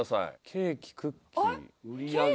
「ケーキクッキー」。